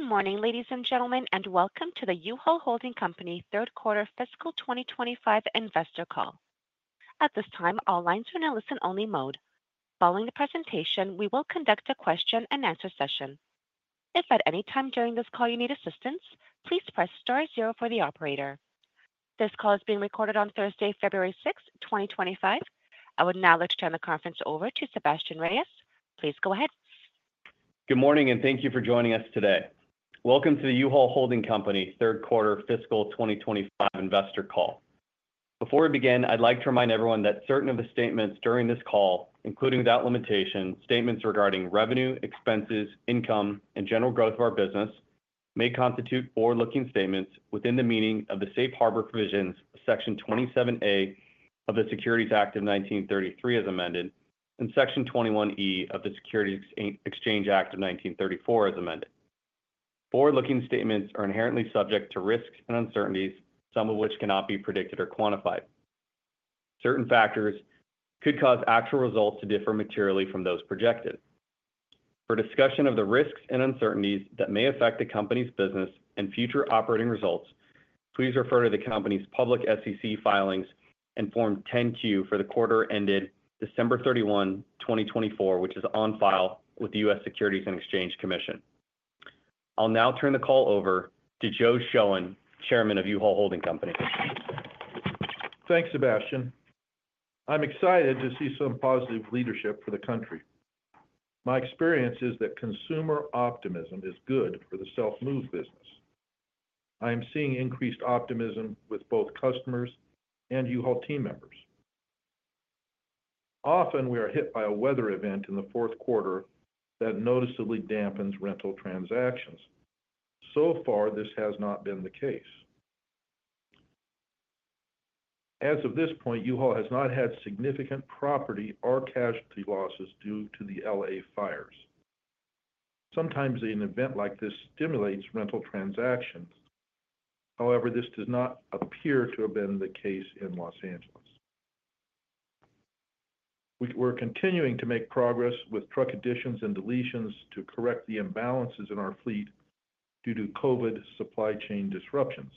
Good morning, ladies and gentlemen, and welcome to the U-Haul Holding Company third quarter fiscal 2025 investor call. At this time, all lines are in a listen-only mode. Following the presentation, we will conduct a question-and-answer session. If at any time during this call you need assistance, please press star zero for the operator. This call is being recorded on Thursday, February 6th, 2025. I would now like to turn the conference over to Sebastien Reyes. Please go ahead. Good morning, and thank you for joining us today. Welcome to the U-Haul Holding Company third quarter fiscal 2025 investor call. Before we begin, I'd like to remind everyone that certain of the statements during this call, including without limitation, statements regarding revenue, expenses, income, and general growth of our business, may constitute forward-looking statements within the meaning of the safe harbor provisions of Section 27A of the Securities Act of 1933 as amended, and Section 21E of the Securities Exchange Act of 1934 as amended. Forward-looking statements are inherently subject to risks and uncertainties, some of which cannot be predicted or quantified. Certain factors could cause actual results to differ materially from those projected. For discussion of the risks and uncertainties that may affect the company's business and future operating results, please refer to the company's public SEC filings and Form 10-Q for the quarter ended December 31, 2024, which is on file with the U.S. Securities and Exchange Commission. I'll now turn the call over to Joe Shoen, Chairman of U-Haul Holding Company. Thanks, Sebastien. I'm excited to see some positive leadership for the country. My experience is that consumer optimism is good for the self-moved business. I am seeing increased optimism with both customers and U-Haul team members. Often, we are hit by a weather event in the fourth quarter that noticeably dampens rental transactions. So far, this has not been the case. As of this point, U-Haul has not had significant property or casualty losses due to the L.A. fires. Sometimes, an event like this stimulates rental transactions. However, this does not appear to have been the case in Los Angeles. We're continuing to make progress with truck additions and deletions to correct the imbalances in our fleet due to COVID supply chain disruptions.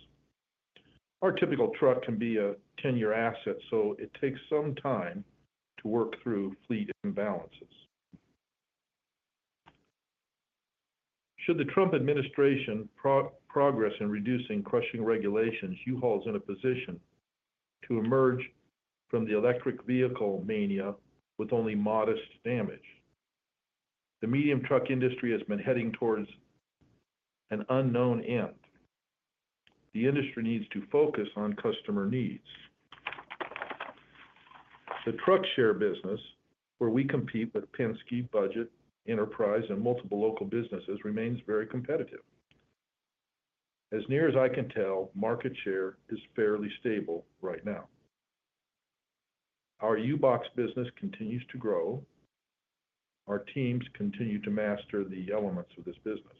Our typical truck can be a 10-year asset, so it takes some time to work through fleet imbalances. Should the Trump administration progress in reducing crushing regulations, U-Haul is in a position to emerge from the electric vehicle mania with only modest damage. The medium truck industry has been heading towards an unknown end. The industry needs to focus on customer needs. The truck share business, where we compete with Penske, Budget, Enterprise, and multiple local businesses, remains very competitive. As near as I can tell, market share is fairly stable right now. Our U-Box business continues to grow. Our teams continue to master the elements of this business.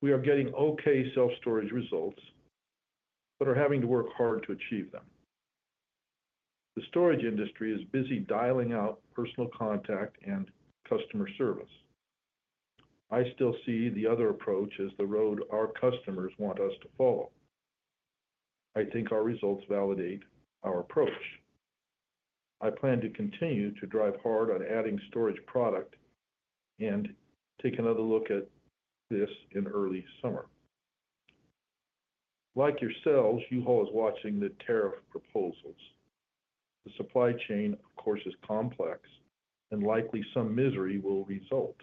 We are getting okay self-storage results but are having to work hard to achieve them. The storage industry is busy dialing out personal contact and customer service. I still see the other approach as the road our customers want us to follow. I think our results validate our approach. I plan to continue to drive hard on adding storage product and take another look at this in early summer. Like yourselves, U-Haul is watching the tariff proposals. The supply chain, of course, is complex, and likely some misery will result.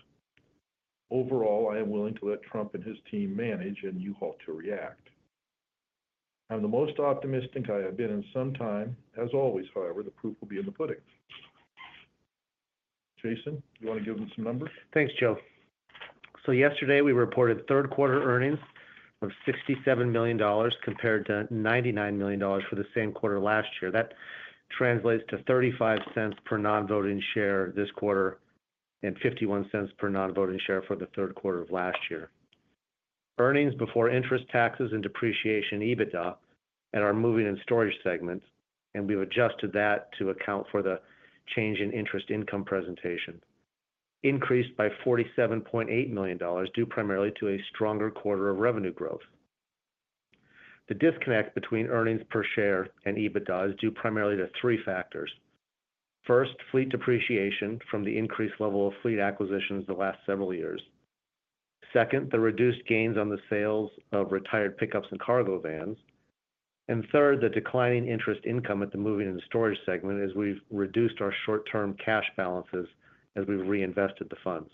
Overall, I am willing to let Trump and his team manage and U-Haul to react. I'm the most optimistic I have been in some time. As always, however, the proof will be in the pudding. Jason, do you want to give them some numbers? Thanks, Joe. So yesterday, we reported third quarter earnings of $67 million compared to $99 million for the same quarter last year. That translates to $0.35 per non-voting share this quarter and $0.51 per non-voting share for the third quarter of last year. Earnings before interest, taxes, and depreciation EBITDA for moving and storage segments, and we've adjusted that to account for the change in interest income presentation, increased by $47.8 million due primarily to a stronger quarter of revenue growth. The disconnect between earnings per share and EBITDA is due primarily to three factors. First, fleet depreciation from the increased level of fleet acquisitions the last several years. Second, the reduced gains on the sales of retired pickups and cargo vans. And third, the declining interest income at the moving and storage segment as we've reduced our short-term cash balances as we've reinvested the funds.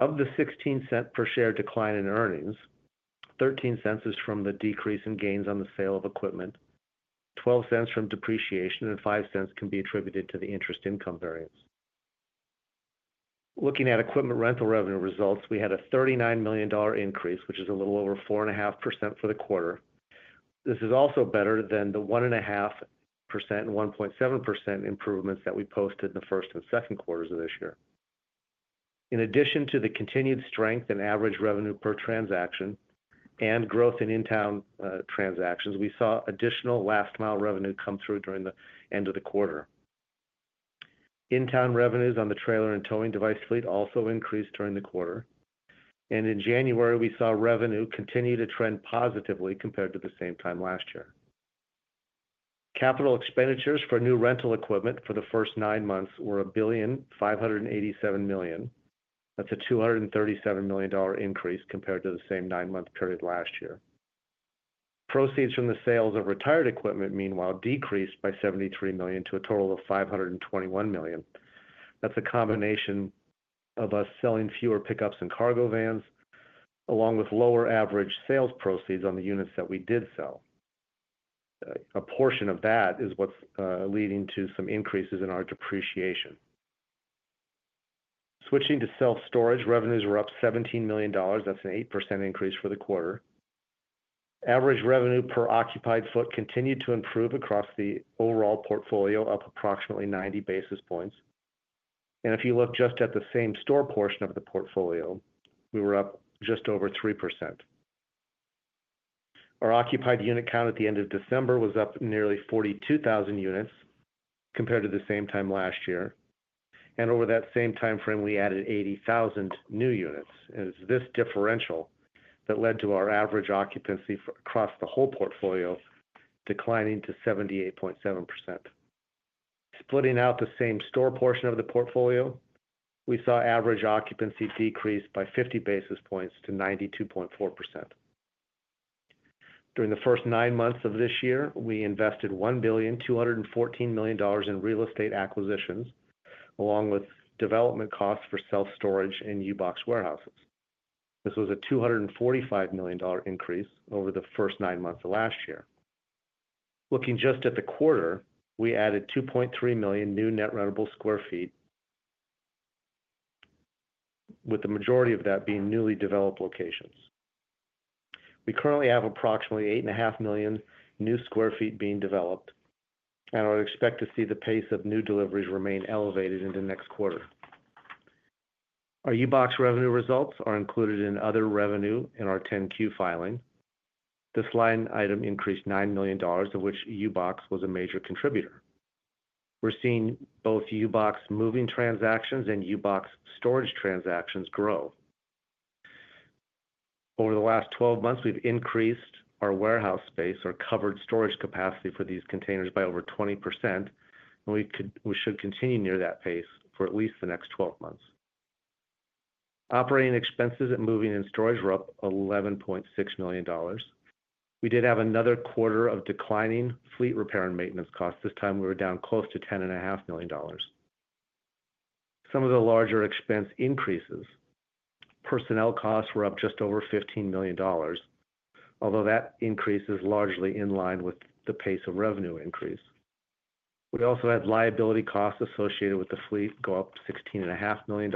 Of the $0.16 per share decline in earnings, $0.13 is from the decrease in gains on the sale of equipment, $0.12 from depreciation, and $0.05 can be attributed to the interest income variance. Looking at equipment rental revenue results, we had a $39 million increase, which is a little over 4.5% for the quarter. This is also better than the 1.5% and 1.7% improvements that we posted in the first and second quarters of this year. In addition to the continued strength in average revenue per transaction and growth in in-town transactions, we saw additional last-mile revenue come through during the end of the quarter. In-town revenues on the trailer and towing device fleet also increased during the quarter. And in January, we saw revenue continue to trend positively compared to the same time last year. Capital expenditures for new rental equipment for the first nine months were $1,587 million. That's a $237 million increase compared to the same nine-month period last year. Proceeds from the sales of retired equipment, meanwhile, decreased by $73 million to a total of $521 million. That's a combination of us selling fewer pickups and cargo vans, along with lower average sales proceeds on the units that we did sell. A portion of that is what's leading to some increases in our depreciation. Switching to self-storage, revenues were up $17 million. That's an 8% increase for the quarter. Average revenue per occupied foot continued to improve across the overall portfolio up approximately 90 basis points. And if you look just at the same store portion of the portfolio, we were up just over 3%. Our occupied unit count at the end of December was up nearly 42,000 units compared to the same time last year. Over that same time frame, we added 80,000 new units. It's this differential that led to our average occupancy across the whole portfolio declining to 78.7%. Splitting out the same store portion of the portfolio, we saw average occupancy decrease by 50 basis points to 92.4%. During the first nine months of this year, we invested $1,214 million in real estate acquisitions, along with development costs for self-storage and U-Box warehouses. This was a $245 million increase over the first nine months of last year. Looking just at the quarter, we added 2.3 million new net rentable sq ft, with the majority of that being newly developed locations. We currently have approximately 8.5 million new sq ft being developed, and I would expect to see the pace of new deliveries remain elevated into next quarter. Our U-Box revenue results are included in other revenue in our 10-Q filing. This line item increased $9 million, of which U-Box was a major contributor. We're seeing both U-Box moving transactions and U-Box storage transactions grow. Over the last 12 months, we've increased our warehouse space, our covered storage capacity for these containers by over 20%, and we should continue near that pace for at least the next 12 months. Operating expenses at moving and storage were up $11.6 million. We did have another quarter of declining fleet repair and maintenance costs. This time, we were down close to $10.5 million. Some of the larger expense increases, personnel costs were up just over $15 million, although that increase is largely in line with the pace of revenue increase. We also had liability costs associated with the fleet go up $16.5 million,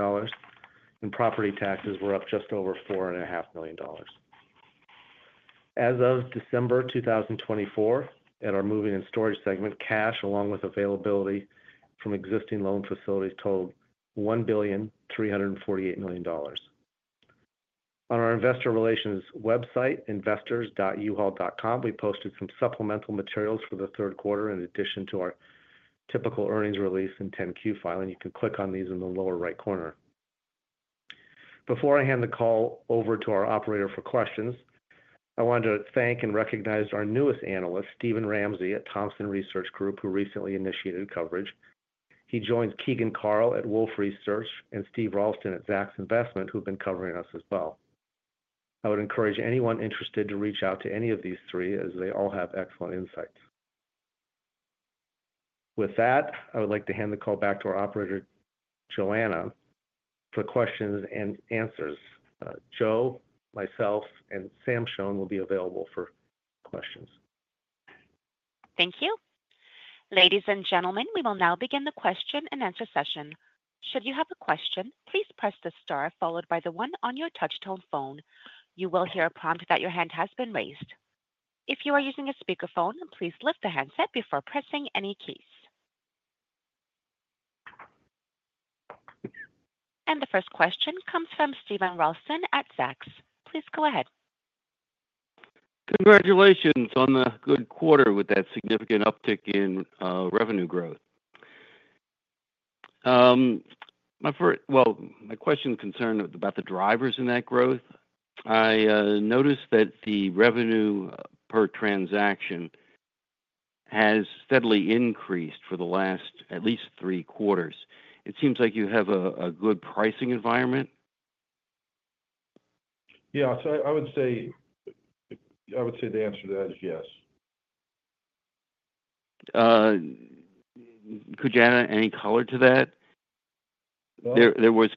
and property taxes were up just over $4.5 million. As of December 2024, at our moving and storage segment, cash, along with availability from existing loan facilities, totaled $1,348 million. On our investor relations website, investors.uhaul.com, we posted some supplemental materials for the third quarter in addition to our typical earnings release and 10-Q filing. You can click on these in the lower right corner. Before I hand the call over to our operator for questions, I wanted to thank and recognize our newest analyst, Steven Ramsey at Thompson Research Group, who recently initiated coverage. He joins Keegan Carl at Wolfe Research and Steven Ralston at Zacks Investment, who have been covering us as well. I would encourage anyone interested to reach out to any of these three, as they all have excellent insights. With that, I would like to hand the call back to our operator, Joanna, for questions and answers. Joe, myself, and Sam Shoen will be available for questions. Thank you. Ladies and gentlemen, we will now begin the question and answer session. Should you have a question, please press the star followed by the one on your touch-tone phone. You will hear a prompt that your hand has been raised. If you are using a speakerphone, please lift the handset before pressing any keys, and the first question comes from Steven Ralston at Zacks. Please go ahead. Congratulations on the good quarter with that significant uptick in revenue growth. Well, my question concerned about the drivers in that growth. I noticed that the revenue per transaction has steadily increased for the last at least three quarters. It seems like you have a good pricing environment. Yeah, so I would say the answer to that is yes. Could you add any color to that? There was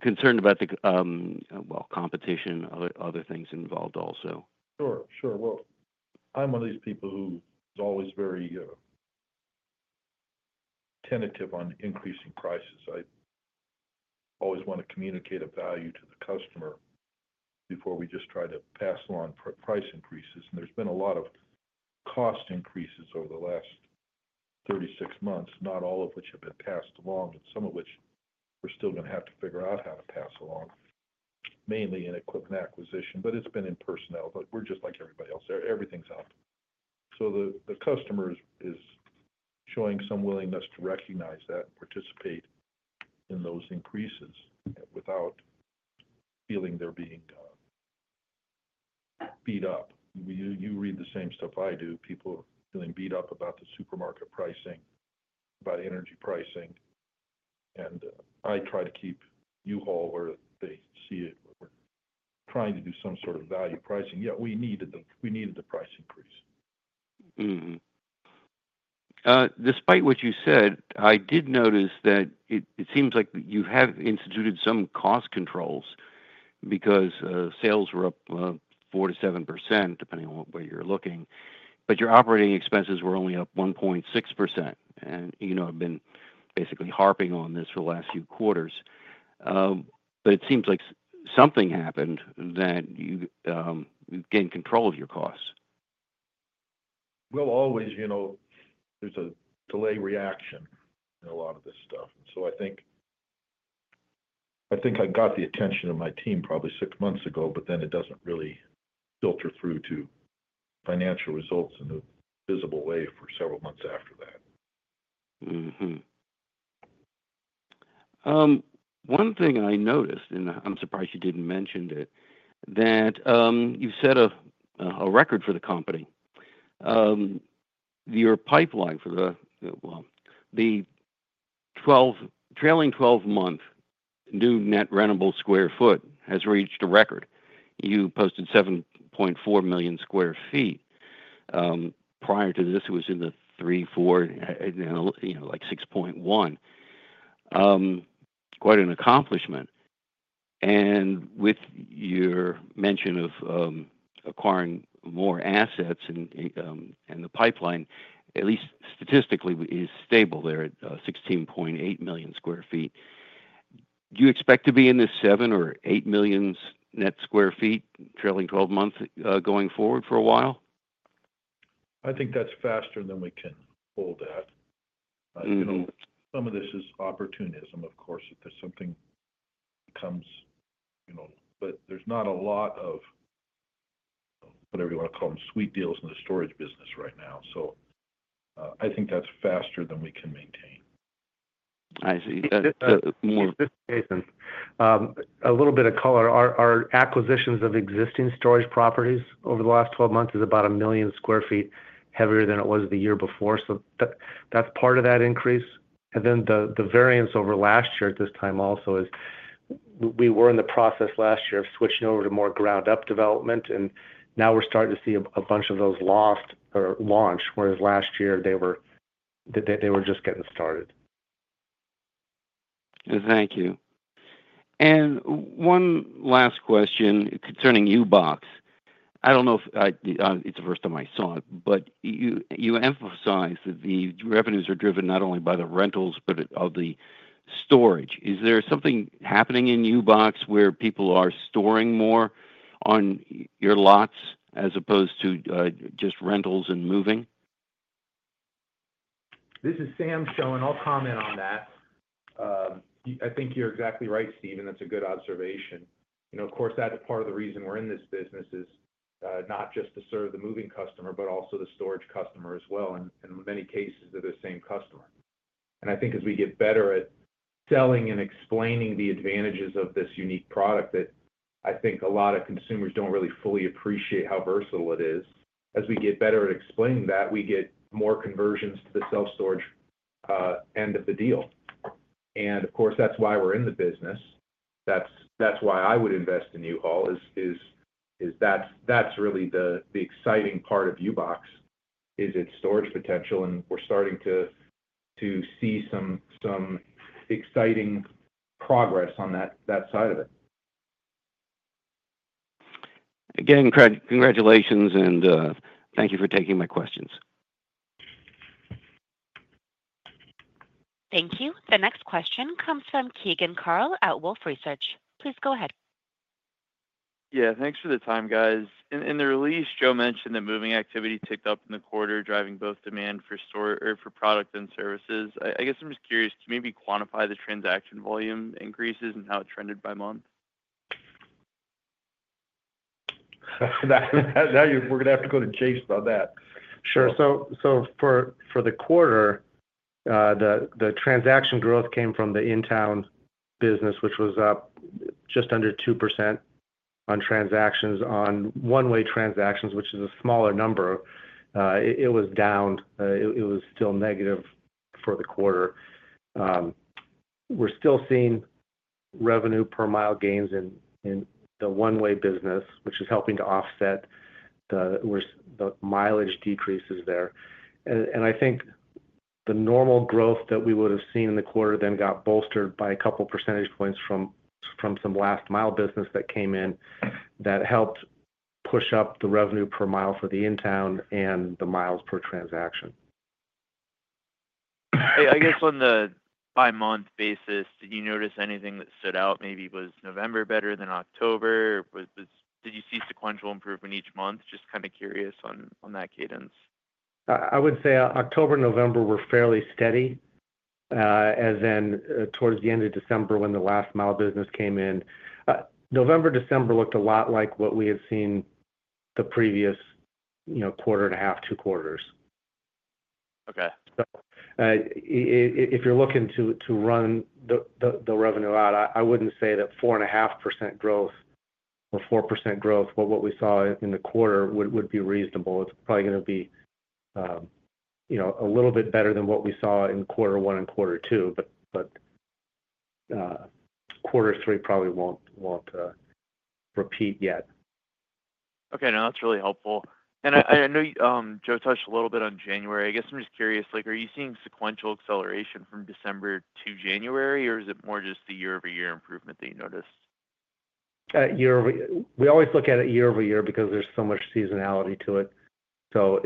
concern about the, well, competition, other things involved also. Sure. Sure. Well, I'm one of these people who's always very tentative on increasing prices. I always want to communicate a value to the customer before we just try to pass along price increases. And there's been a lot of cost increases over the last 36 months, not all of which have been passed along, and some of which we're still going to have to figure out how to pass along, mainly in equipment acquisition, but it's been in personnel. But we're just like everybody else. Everything's up. So the customer is showing some willingness to recognize that and participate in those increases without feeling they're being beat up. You read the same stuff I do. People are feeling beat up about the supermarket pricing, about energy pricing. And I try to keep U-Haul where they see it. We're trying to do some sort of value pricing. Yeah, we needed the price increase. Despite what you said, I did notice that it seems like you have instituted some cost controls because sales were up 4%-7%, depending on where you're looking. But your operating expenses were only up 1.6%. And you have been basically harping on this for the last few quarters. But it seems like something happened that you gained control of your costs. Always there's a delayed reaction in a lot of this stuff. And so I think I got the attention of my team probably six months ago, but then it doesn't really filter through to financial results in a visible way for several months after that. One thing I noticed, and I'm surprised you didn't mention it, that you've set a record for the company. Your pipeline for the, well, the trailing 12-month new net rentable square feet has reached a record. You posted 7.4 million sq ft. Prior to this, it was in the three, four, like 6.1. Quite an accomplishment. And with your mention of acquiring more assets and the pipeline, at least statistically, is stable there at 16.8 million sq ft. Do you expect to be in the seven or eight million net sq ft trailing 12 months going forward for a while? I think that's faster than we can hold that. Some of this is opportunism, of course, if there's something that comes. But there's not a lot of, whatever you want to call them, sweet deals in the storage business right now. So I think that's faster than we can maintain. I see. Jason, a little bit of color. Our acquisitions of existing storage properties over the last 12 months is about a million sq ft heavier than it was the year before, so that's part of that increase, and then the variance over last year at this time also is we were in the process last year of switching over to more ground-up development, and now we're starting to see a bunch of those launched, whereas last year they were just getting started. Thank you and one last question concerning U-Box. I don't know if it's the first time I saw it, but you emphasized that the revenues are driven not only by the rentals but of the storage. Is there something happening in U-Box where people are storing more on your lots as opposed to just rentals and moving? This is Sam Shoen. I'll comment on that. I think you're exactly right, Steven. That's a good observation. Of course, that's part of the reason we're in this business is not just to serve the moving customer, but also the storage customer as well. And in many cases, they're the same customer. And I think as we get better at selling and explaining the advantages of this unique product, that I think a lot of consumers don't really fully appreciate how versatile it is. As we get better at explaining that, we get more conversions to the self-storage end of the deal. And of course, that's why we're in the business. That's why I would invest in U-Haul is that's really the exciting part of U-Box is its storage potential, and we're starting to see some exciting progress on that side of it. Again, congratulations, and thank you for taking my questions. Thank you. The next question comes from Keegan Carl at Wolfe Research. Please go ahead. Yeah. Thanks for the time, guys. In the release, Joe mentioned that moving activity ticked up in the quarter, driving both demand for product and services. I guess I'm just curious to maybe quantify the transaction volume increases and how it trended by month? We're going to have to go to Jason on that. Sure. So for the quarter, the transaction growth came from the in-town business, which was up just under 2% on transactions. On one-way transactions, which is a smaller number, it was down. It was still negative for the quarter. We're still seeing revenue per mile gains in the one-way business, which is helping to offset the mileage decreases there. And I think the normal growth that we would have seen in the quarter then got bolstered by a couple of percentage points from some last-mile business that came in that helped push up the revenue per mile for the in-town and the miles per transaction. I guess on the by-month basis, did you notice anything that stood out? Maybe was November better than October? Did you see sequential improvement each month? Just kind of curious on that cadence. I would say October and November were fairly steady, and then towards the end of December when the last-mile business came in. November, December looked a lot like what we had seen the previous quarter and a half, two quarters. Okay. If you're looking to run the revenue out, I wouldn't say that 4.5% growth or 4% growth, what we saw in the quarter, would be reasonable. It's probably going to be a little bit better than what we saw in quarter one and quarter two, but quarter three probably won't repeat yet. Okay. No, that's really helpful. And I know Joe touched a little bit on January. I guess I'm just curious, are you seeing sequential acceleration from December to January, or is it more just the year-over-year improvement that you noticed? We always look at it year-over-year because there's so much seasonality to it. So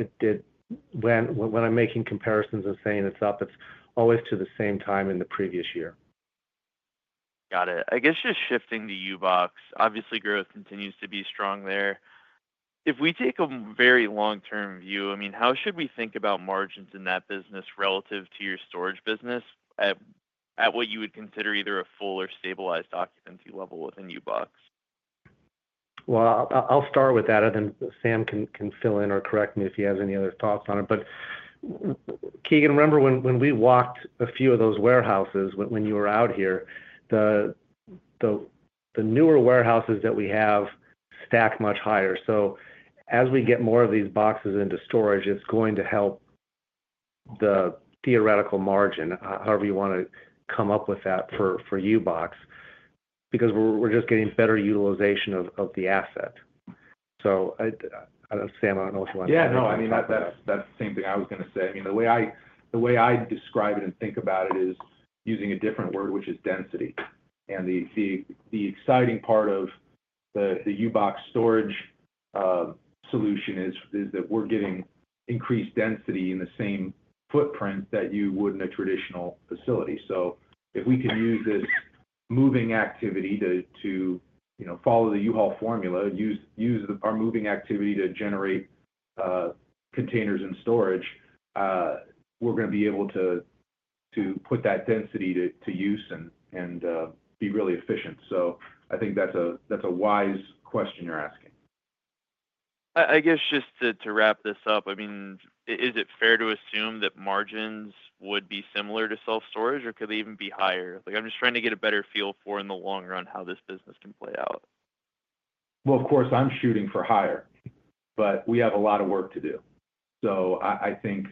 when I'm making comparisons and saying it's up, it's always to the same time in the previous year. Got it. I guess just shifting to U-Box, obviously, growth continues to be strong there. If we take a very long-term view, I mean, how should we think about margins in that business relative to your storage business at what you would consider either a full or stabilized occupancy level within U-Box? Well, I'll start with that, and then Sam can fill in or correct me if he has any other thoughts on it. But Keegan, remember when we walked a few of those warehouses when you were out here, the newer warehouses that we have stack much higher. So as we get more of these boxes into storage, it's going to help the theoretical margin, however you want to come up with that for U-Box, because we're just getting better utilization of the asset. So Sam, I don't know if you want to. Yeah. No, I mean, that's the same thing I was going to say. I mean, the way I describe it and think about it is using a different word, which is density. And the exciting part of the U-Box storage solution is that we're getting increased density in the same footprint that you would in a traditional facility. So if we can use this moving activity to follow the U-Haul formula, use our moving activity to generate containers and storage, we're going to be able to put that density to use and be really efficient. So I think that's a wise question you're asking. I guess just to wrap this up, I mean, is it fair to assume that margins would be similar to self-storage, or could they even be higher? I'm just trying to get a better feel for in the long run how this business can play out. Well, of course, I'm shooting for higher, but we have a lot of work to do. So I think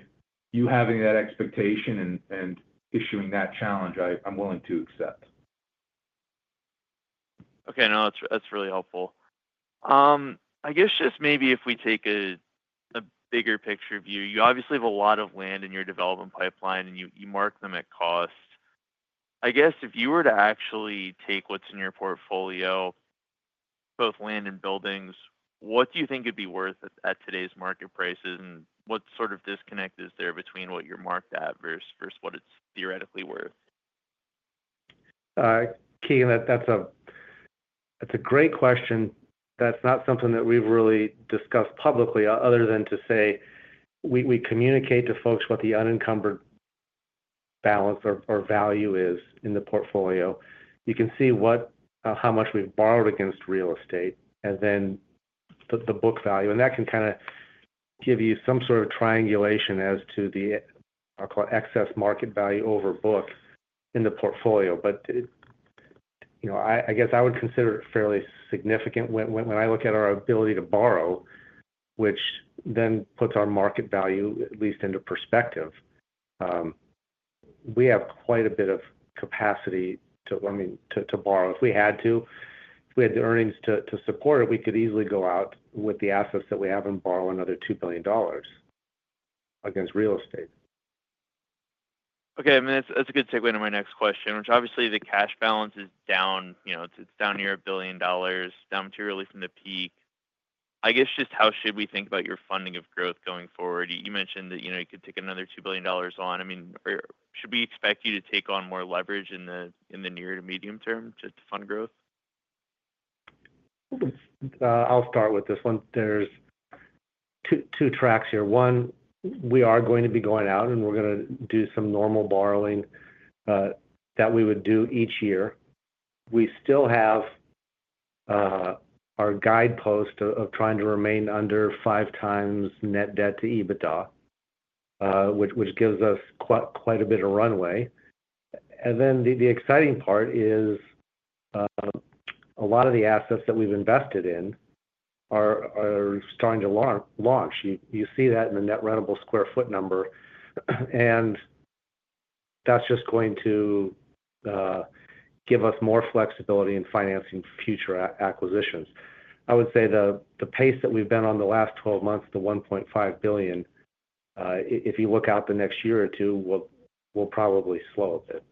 you having that expectation and issuing that challenge, I'm willing to accept. Okay. No, that's really helpful. I guess just maybe if we take a bigger picture view, you obviously have a lot of land in your development pipeline, and you mark them at cost. I guess if you were to actually take what's in your portfolio, both land and buildings, what do you think it'd be worth at today's market prices, and what sort of disconnect is there between what you're marked at versus what it's theoretically worth? Keegan, that's a great question. That's not something that we've really discussed publicly other than to say we communicate to folks what the unencumbered balance or value is in the portfolio. You can see how much we've borrowed against real estate and then the book value. And that can kind of give you some sort of triangulation as to the, I'll call it, excess market value over book in the portfolio. But I guess I would consider it fairly significant when I look at our ability to borrow, which then puts our market value at least into perspective. We have quite a bit of capacity to, I mean, to borrow. If we had to, if we had the earnings to support it, we could easily go out with the assets that we have and borrow another $2 billion against real estate. Okay. I mean, that's a good segue into my next question, which obviously the cash balance is down. It's down near $1 billion, down materially from the peak. I guess just how should we think about your funding of growth going forward? You mentioned that you could take another $2 billion on. I mean, should we expect you to take on more leverage in the near to medium term just to fund growth? I'll start with this one. There's two tracks here. One, we are going to be going out, and we're going to do some normal borrowing that we would do each year. We still have our guidepost of trying to remain under five times net debt to EBITDA, which gives us quite a bit of runway. And then the exciting part is a lot of the assets that we've invested in are starting to launch. You see that in the net rentable square foot number, and that's just going to give us more flexibility in financing future acquisitions. I would say the pace that we've been on the last 12 months, the $1.5 billion, if you look out the next year or two, will probably slow a bit.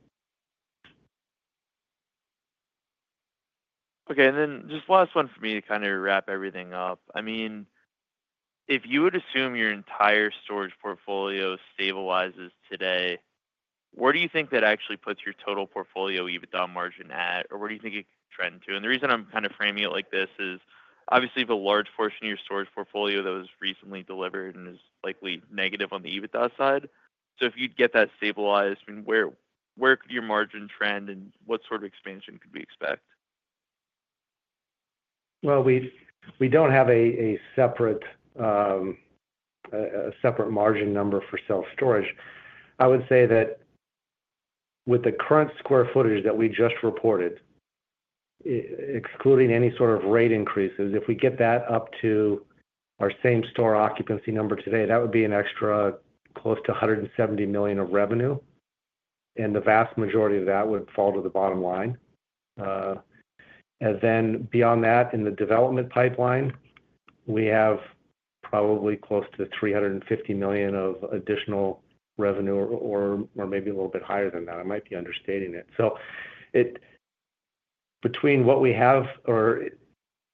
Okay. And then just last one for me to kind of wrap everything up. I mean, if you would assume your entire storage portfolio stabilizes today, where do you think that actually puts your total portfolio EBITDA margin at, or where do you think it could trend to? And the reason I'm kind of framing it like this is obviously the large portion of your storage portfolio that was recently delivered and is likely negative on the EBITDA side. So if you'd get that stabilized, I mean, where could your margin trend, and what sort of expansion could we expect? We don't have a separate margin number for self-storage. I would say that with the current square footage that we just reported, excluding any sort of rate increases, if we get that up to our same store occupancy number today, that would be an extra close to $170 million of revenue. The vast majority of that would fall to the bottom line. Beyond that, in the development pipeline, we have probably close to $350 million of additional revenue or maybe a little bit higher than that. I might be understating it. Between what we have or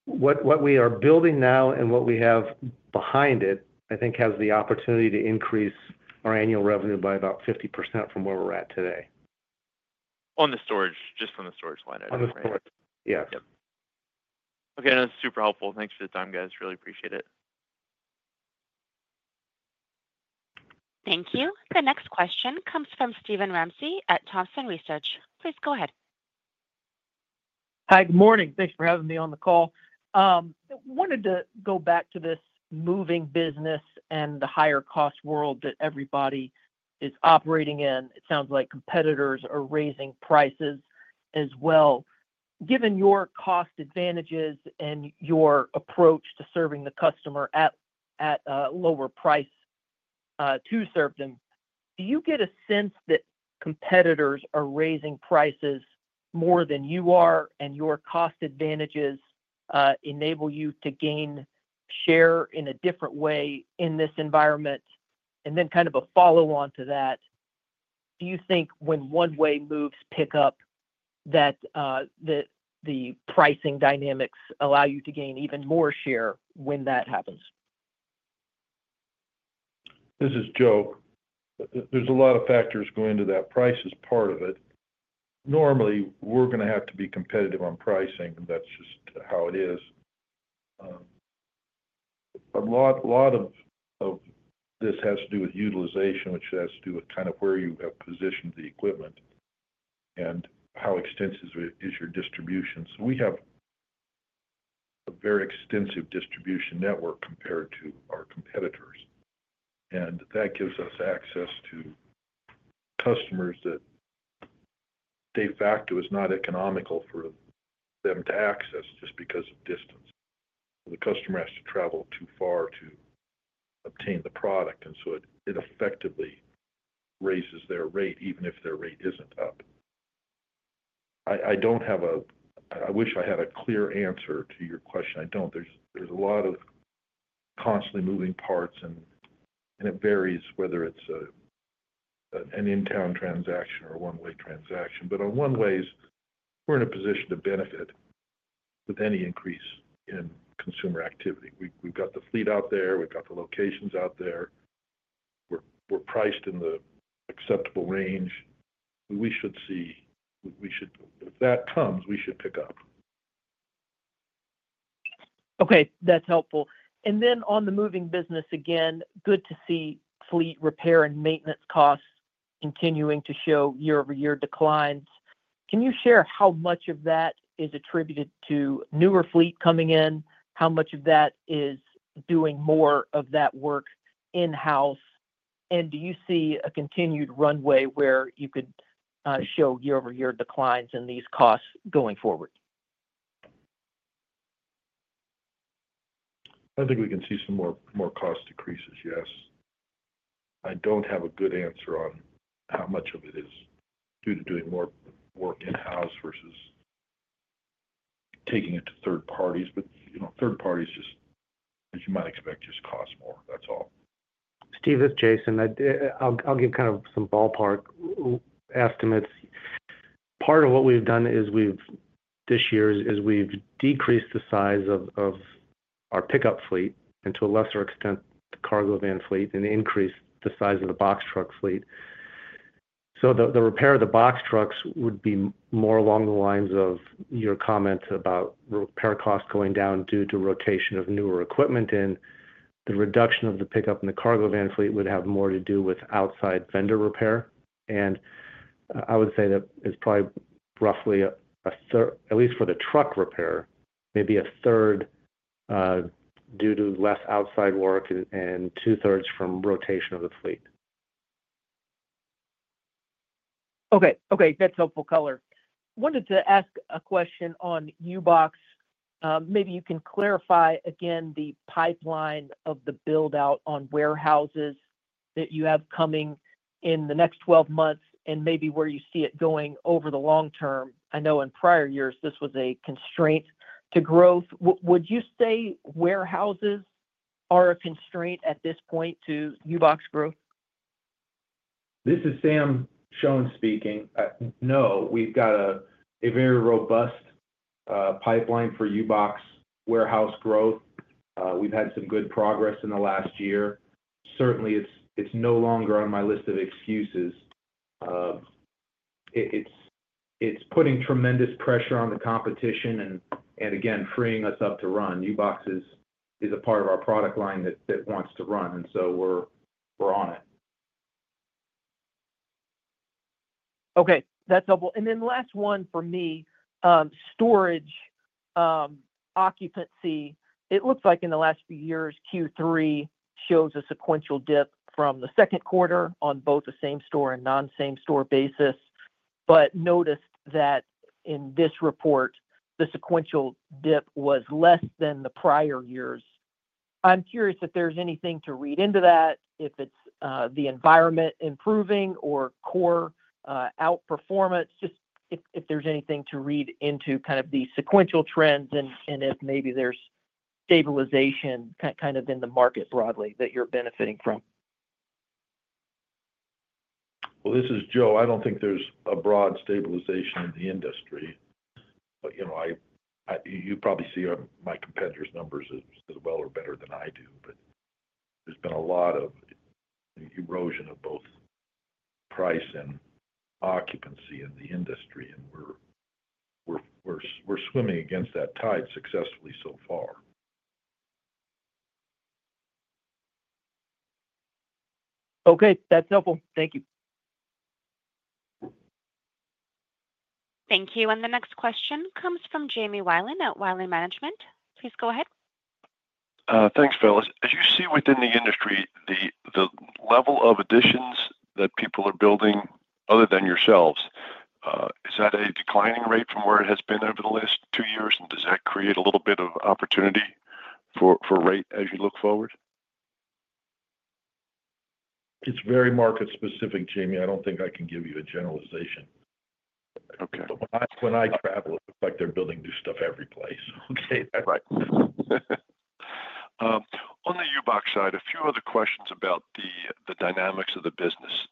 what we are building now and what we have behind it, I think has the opportunity to increase our annual revenue by about 50% from where we're at today. On the storage, just on the storage line. On the storage. Yeah. Okay. No, that's super helpful. Thanks for the time, guys. Really appreciate it. Thank you. The next question comes from Steven Ramsey at Thomson Research. Please go ahead. Hi. Good morning. Thanks for having me on the call. I wanted to go back to this moving business and the higher-cost world that everybody is operating in. It sounds like competitors are raising prices as well. Given your cost advantages and your approach to serving the customer at a lower price to serve them, do you get a sense that competitors are raising prices more than you are, and your cost advantages enable you to gain share in a different way in this environment? And then kind of a follow-on to that, do you think when one way moves pick up that the pricing dynamics allow you to gain even more share when that happens? This is Joe. There's a lot of factors going into that. Price is part of it. Normally, we're going to have to be competitive on pricing. That's just how it is. A lot of this has to do with utilization, which has to do with kind of where you have positioned the equipment and how extensive is your distribution. So we have a very extensive distribution network compared to our competitors. And that gives us access to customers that de facto is not economical for them to access just because of distance. The customer has to travel too far to obtain the product, and so it effectively raises their rate even if their rate isn't up. I don't have a—I wish I had a clear answer to your question. I don't. There's a lot of constantly moving parts, and it varies whether it's an in-town transaction or a one-way transaction. But on one-ways, we're in a position to benefit with any increase in consumer activity. We've got the fleet out there. We've got the locations out there. We're priced in the acceptable range. We should see. If that comes, we should pick up. Okay. That's helpful, and then on the moving business again, good to see fleet repair and maintenance costs continuing to show year-over-year declines. Can you share how much of that is attributed to newer fleet coming in? How much of that is doing more of that work in-house? And do you see a continued runway where you could show year-over-year declines in these costs going forward? I think we can see some more cost decreases, yes. I don't have a good answer on how much of it is due to doing more work in-house versus taking it to third parties. But third parties, as you might expect, just cost more. That's all. Steve with Jason. I'll give kind of some ballpark estimates. Part of what we've done this year is we've decreased the size of our pickup fleet and, to a lesser extent, the cargo van fleet and increased the size of the box truck fleet, so the repair of the box trucks would be more along the lines of your comment about repair costs going down due to rotation of newer equipment, and the reduction of the pickup and the cargo van fleet would have more to do with outside vendor repair, and I would say that it's probably roughly, at least for the truck repair, maybe a third due to less outside work and two-thirds from rotation of the fleet. Okay. Okay. That's helpful color. Wanted to ask a question on U-Box. Maybe you can clarify again the pipeline of the build-out on warehouses that you have coming in the next 12 months and maybe where you see it going over the long term. I know in prior years, this was a constraint to growth. Would you say warehouses are a constraint at this point to U-Box growth? This is Sam Shoen speaking. No, we've got a very robust pipeline for U-Box warehouse growth. We've had some good progress in the last year. Certainly, it's no longer on my list of excuses. It's putting tremendous pressure on the competition and, again, freeing us up to run. U-Box is a part of our product line that wants to run, and so we're on it. Okay. That's helpful. And then last one for me, storage occupancy. It looks like in the last few years, Q3 shows a sequential dip from the second quarter on both a same-store and non-same-store basis. But noticed that in this report, the sequential dip was less than the prior years. I'm curious if there's anything to read into that, if it's the environment improving or core outperformance, just if there's anything to read into kind of the sequential trends and if maybe there's stabilization kind of in the market broadly that you're benefiting from. This is Joe. I don't think there's a broad stabilization in the industry. You probably see my competitors' numbers as well or better than I do. There's been a lot of erosion of both price and occupancy in the industry, and we're swimming against that tide successfully so far. Okay. That's helpful. Thank you. Thank you. And the next question comes from Jamie Wilen at Wilen Management. Please go ahead. Thanks, fellas. As you see within the industry, the level of additions that people are building other than yourselves, is that a declining rate from where it has been over the last two years? And does that create a little bit of opportunity for rate as you look forward? It's very market-specific, Jamie. I don't think I can give you a generalization. Okay. But when I travel, it looks like they're building new stuff every place. Okay. Right. On the U-Box side, a few other questions about the dynamics of the business.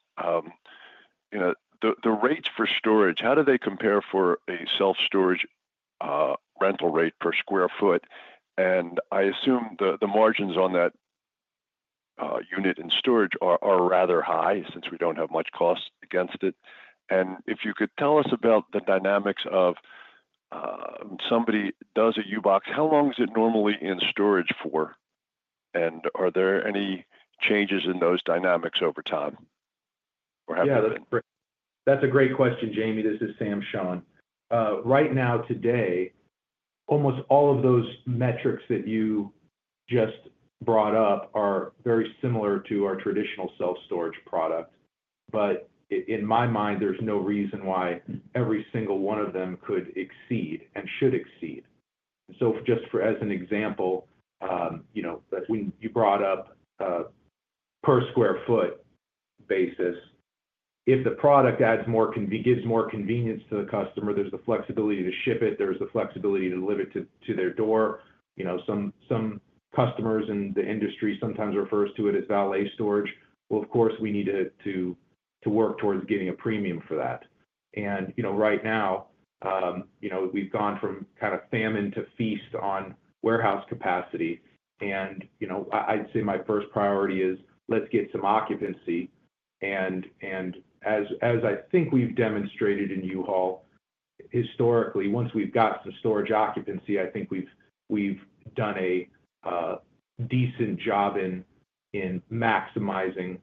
The rates for storage, how do they compare for a self-storage rental rate per square foot, and I assume the margins on that unit in storage are rather high since we don't have much cost against it, and if you could tell us about the dynamics of somebody does a U-Box, how long is it normally in storage for, and are there any changes in those dynamics over time, or have they been? Yeah. That's a great question, Jamie. This is Sam Shoen. Right now, today, almost all of those metrics that you just brought up are very similar to our traditional self-storage product. But in my mind, there's no reason why every single one of them could exceed and should exceed. So just as an example, when you brought up per square foot basis, if the product gives more convenience to the customer, there's the flexibility to ship it. There's the flexibility to deliver it to their door. Some customers in the industry sometimes refer to it as valet storage. Well, of course, we need to work towards getting a premium for that. And right now, we've gone from kind of famine to feast on warehouse capacity. And I'd say my first priority is, let's get some occupancy. And as I think we've demonstrated in U-Haul, historically, once we've got some storage occupancy, I think we've done a decent job in maximizing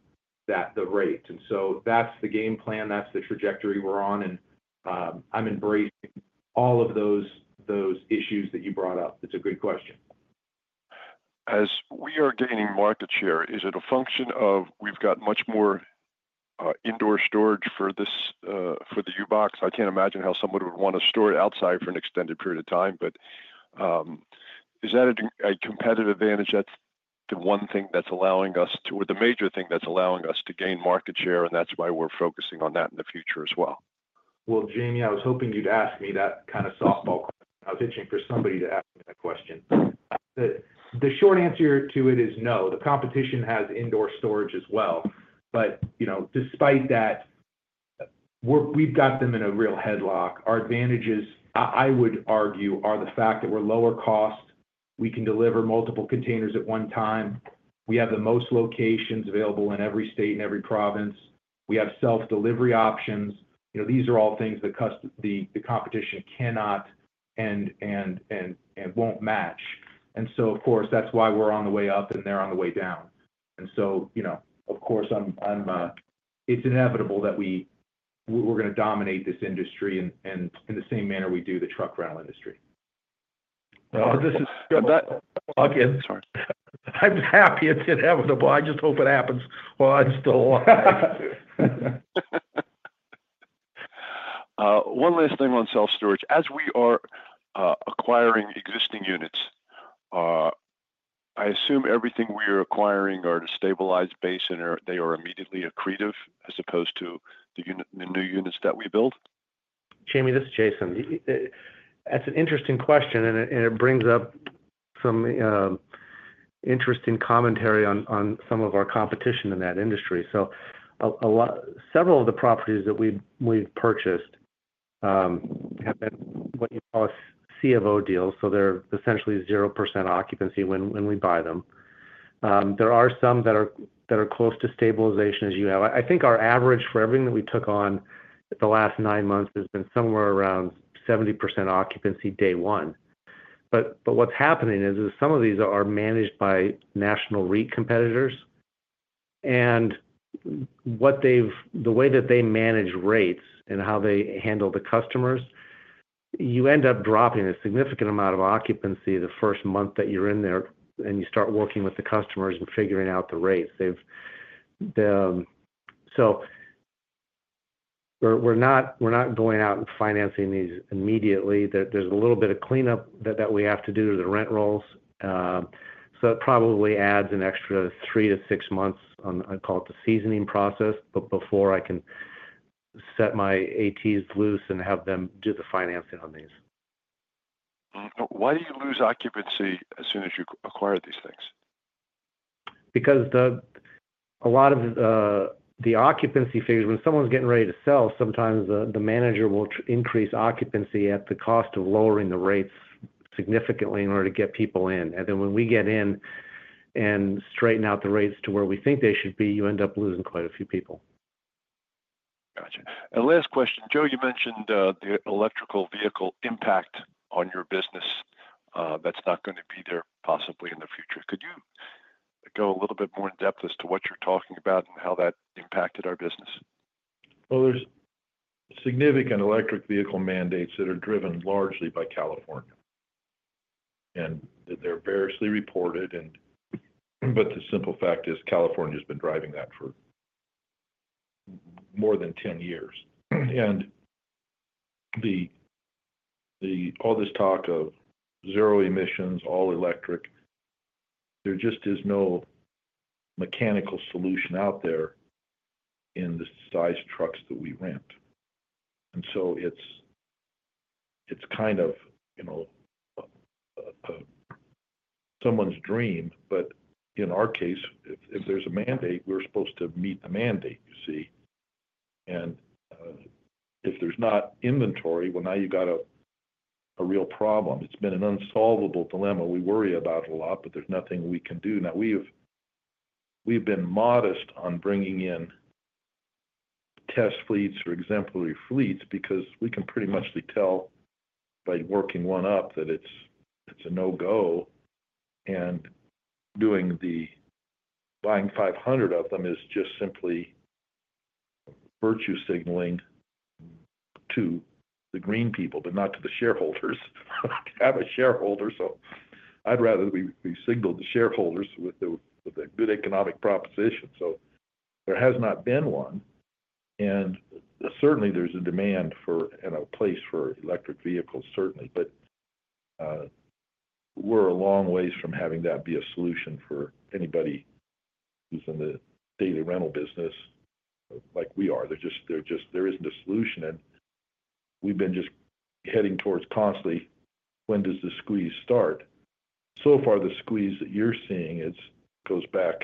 the rate. And so that's the game plan. That's the trajectory we're on. And I'm embracing all of those issues that you brought up. It's a good question. As we are gaining market share, is it a function of we've got much more indoor storage for the U-Box? I can't imagine how somebody would want to store it outside for an extended period of time. But is that a competitive advantage? That's the one thing that's allowing us to, or the major thing that's allowing us to gain market share, and that's why we're focusing on that in the future as well. Jamie, I was hoping you'd ask me that kind of softball question. I was itching for somebody to ask me that question. The short answer to it is no. The competition has indoor storage as well. But despite that, we've got them in a real headlock. Our advantages, I would argue, are the fact that we're lower cost. We can deliver multiple containers at one time. We have the most locations available in every state and every province. We have self-delivery options. These are all things that the competition cannot and won't match. And so, of course, that's why we're on the way up and they're on the way down. And so, of course, it's inevitable that we're going to dominate this industry in the same manner we do the truck rental industry. This is Joe. I'm happy it's inevitable. I just hope it happens while I'm still alive. One last thing on self-storage. As we are acquiring existing units, I assume everything we are acquiring are to stabilize base and they are immediately accretive as opposed to the new units that we build? Jamie, this is Jason. That's an interesting question, and it brings up some interesting commentary on some of our competition in that industry, so several of the properties that we've purchased have been what you call C of O deals, so they're essentially 0% occupancy when we buy them. There are some that are close to stabilization as you have. I think our average for everything that we took on the last nine months has been somewhere around 70% occupancy day one. But what's happening is some of these are managed by national REIT competitors, and the way that they manage rates and how they handle the customers, you end up dropping a significant amount of occupancy the first month that you're in there and you start working with the customers and figuring out the rates, so we're not going out and filling these immediately. There's a little bit of cleanup that we have to do to the rent rolls. So it probably adds an extra three to six months on (I call it the seasoning process) before I can set my ATs loose and have them do the financing on these. Why do you lose occupancy as soon as you acquire these things? Because a lot of the occupancy figures, when someone's getting ready to sell, sometimes the manager will increase occupancy at the cost of lowering the rates significantly in order to get people in, and then when we get in and straighten out the rates to where we think they should be, you end up losing quite a few people. Gotcha and last question. Joe, you mentioned the electric vehicle impact on your business that's not going to be there possibly in the future. Could you go a little bit more in depth as to what you're talking about and how that impacted our business? Well, there's significant electric vehicle mandates that are driven largely by California. And they're variously reported. But the simple fact is California has been driving that for more than 10 years. And all this talk of zero emissions, all electric, there just is no mechanical solution out there in the size trucks that we rent. And so it's kind of someone's dream. But in our case, if there's a mandate, we're supposed to meet the mandate, you see. And if there's not inventory, well, now you've got a real problem. It's been an unsolvable dilemma. We worry about it a lot, but there's nothing we can do. Now, we've been modest on bringing in test fleets or exemplary fleets because we can pretty much tell by working one up that it's a no-go. And buying 500 of them is just simply virtue signaling to the green people, but not to the shareholders. We have a shareholder. So I'd rather we signal the shareholders with a good economic proposition. So there has not been one. And certainly, there's a demand for a place for electric vehicles, certainly. But we're a long ways from having that be a solution for anybody who's in the daily rental business like we are. There isn't a solution. And we've been just heading towards constantly, when does the squeeze start? So far, the squeeze that you're seeing goes back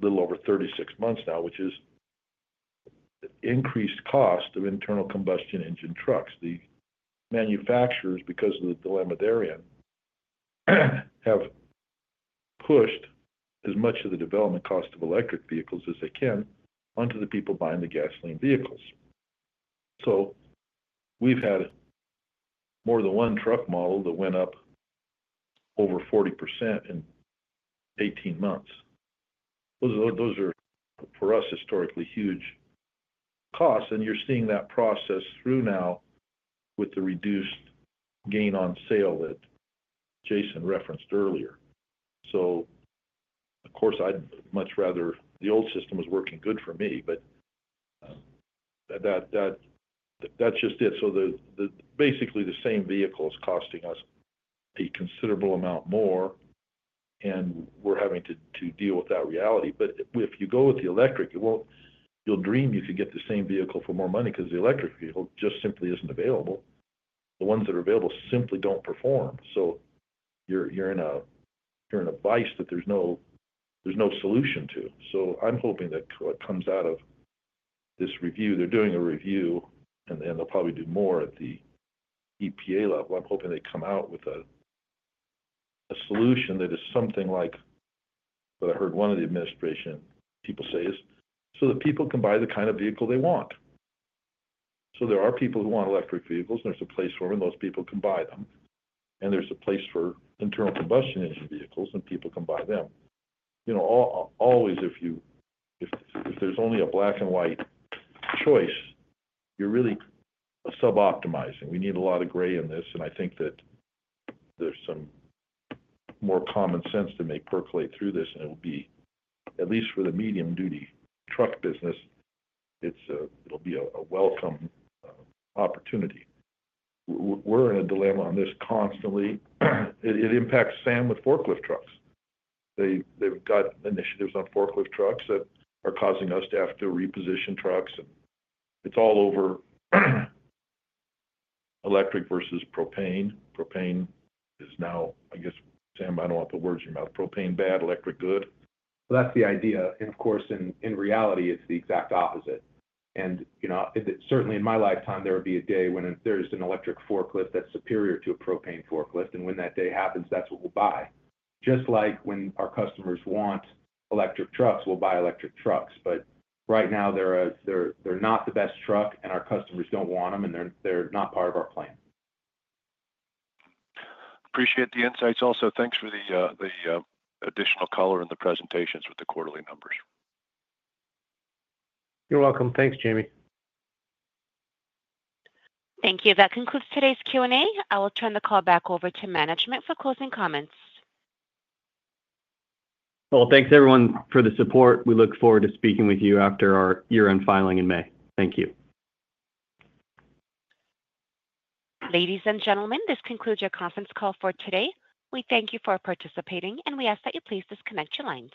a little over 36 months now, which is increased cost of internal combustion engine trucks. The manufacturers, because of the dilemma they're in, have pushed as much of the development cost of electric vehicles as they can onto the people buying the gasoline vehicles. So we've had more than one truck model that went up over 40% in 18 months. Those are, for us, historically huge costs. And you're seeing that process through now with the reduced gain on sale that Jason referenced earlier. So, of course, I'd much rather the old system was working good for me. But that's just it. So basically, the same vehicle is costing us a considerable amount more. And we're having to deal with that reality. But if you go with the electric, you'll dream you could get the same vehicle for more money because the electric vehicle just simply isn't available. The ones that are available simply don't perform. So you're in a vise that there's no solution to. So I'm hoping that what comes out of this review. They're doing a review, and they'll probably do more at the EPA level. I'm hoping they come out with a solution that is something like what I heard one of the administration people say is so that people can buy the kind of vehicle they want. So there are people who want electric vehicles, and there's a place for them, and those people can buy them. And there's a place for internal combustion engine vehicles, and people can buy them. Always, if there's only a black and white choice, you're really suboptimizing. We need a lot of gray in this. And I think that there's some more common sense to make percolate through this. And it will be, at least for the medium-duty truck business, it'll be a welcome opportunity. We're in a dilemma on this constantly. It impacts Sam with forklift trucks. They've got initiatives on forklift trucks that are causing us to have to reposition trucks, and it's all over electric versus propane. Propane is now, I guess, Sam, I don't want the words in your mouth. Propane bad, electric good? That's the idea. And of course, in reality, it's the exact opposite. And certainly, in my lifetime, there will be a day when there is an electric forklift that's superior to a propane forklift. And when that day happens, that's what we'll buy. Just like when our customers want electric trucks, we'll buy electric trucks. But right now, they're not the best truck, and our customers don't want them, and they're not part of our plan. Appreciate the insights. Also, thanks for the additional color in the presentations with the quarterly numbers. You're welcome. Thanks, Jamie. Thank you. That concludes today's Q&A. I will turn the call back over to management for closing comments. Thanks, everyone, for the support. We look forward to speaking with you after our year-end filing in May. Thank you. Ladies and gentlemen, this concludes your conference call for today. We thank you for participating, and we ask that you please disconnect your lines.